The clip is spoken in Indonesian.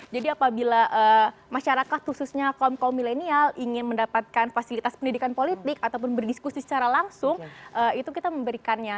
jadi apabila masyarakat khususnya kaum kaum milenial ingin mendapatkan fasilitas pendidikan politik ataupun berdiskusi secara langsung itu kita memberikannya